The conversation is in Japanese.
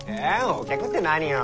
お客って何よ？